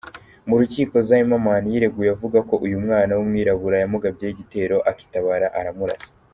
Mu rukiko, Zimmerman yireguye avuga ko uyu mwana w’umwirabura yamugabyeho igitero akitabara aramurasa.